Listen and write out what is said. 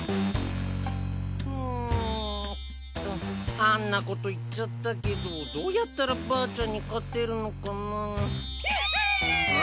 あんなこと言っちゃったけどどうやったらばあちゃんに勝てるのかな。わ。